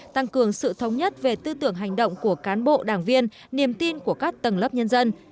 tăng cường sự thống nhất về tư tưởng hành động của cán bộ đảng viên niềm tin của các tầng lớp nhân dân